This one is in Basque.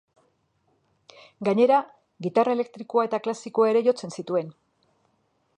Gainera, gitarra elektriko eta klasikoa ere jotzen zituen.